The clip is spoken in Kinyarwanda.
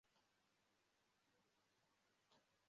Umugabo umuyaga mwinshi mu nyanja